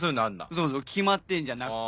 そうそう決まってんじゃなくて。